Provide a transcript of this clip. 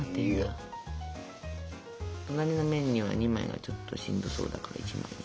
隣の面には２枚はちょっとしんどそうだから１枚にして。